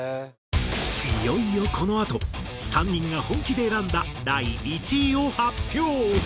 いよいよこのあと３人が本気で選んだ第１位を発表！